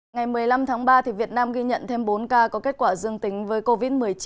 ngày một mươi năm tháng ba việt nam ghi nhận thêm bốn ca có kết quả dương tính với covid một mươi chín